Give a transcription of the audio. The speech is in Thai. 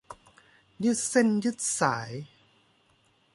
ยืดเส้นยืดสาย